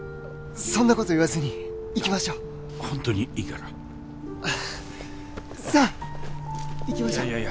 そんなこと言わずに行きましょうホントにいいからさあ行きましょういや